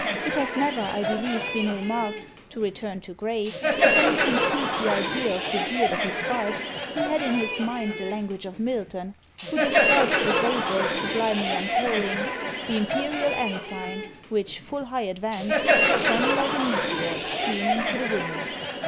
it has never I believe been remarked (to return to Gray) that when he conceived the idea of the beard of his Bard, he had in his mind the language of Milton, who describes Azazel sublimely unfurling The imperial ensign, which full high advanced, Shone like a meteor streaming to the wind.